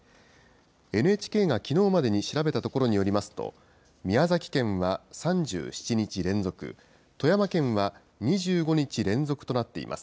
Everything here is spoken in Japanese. ＮＨＫがきのうまでに調べたところによりますと、宮崎県は３７日連続、富山県は２５日連続となっています。